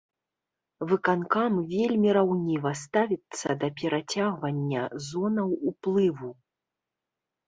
Выканкам вельмі раўніва ставіцца да перацягвання зонаў уплыву.